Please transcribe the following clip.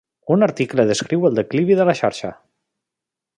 Un article descriu el declivi de la xarxa.